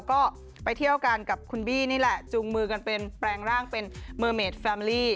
ก็ไปเที่ยวกันกับคุณบี้นี่แหละจูงมือกันเป็นแปลงร่างเป็นเมอร์เมดแฟมลี่